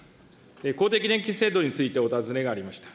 公的年金制度についてお尋ねがありました。